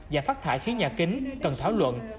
và phát thải khí nhà kính cần thảo luận